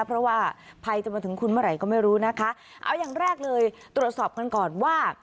เพราะว่าภัยจะมาถึงคุณเมื่อไหร่ก็ไม่รู้นะคะเอาอย่างแรกเลยตรวจสอบกันก่อนว่า